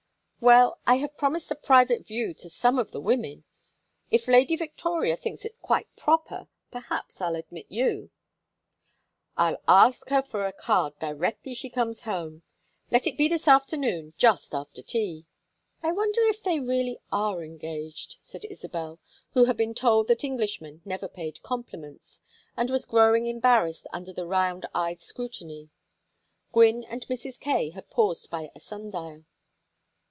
"Well, I have promised a private view to some of the women. If Lady Victoria thinks it quite proper perhaps I'll admit you." "I'll ask her for a card directly she comes home. Let it be this afternoon just after tea." "I wonder if they really are engaged," said Isabel, who had been told that Englishmen never paid compliments, and was growing embarrassed under the round eyed scrutiny. Gwynne and Mrs. Kaye had paused by a sundial.